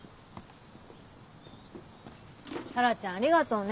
紗良ちゃんありがとね。